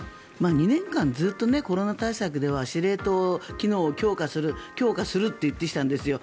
２年間、ずっとコロナ対策では司令塔機能を強化する、強化すると言ってきたんですよ。